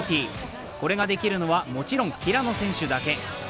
これができるのはもちろん、平野選手だけ。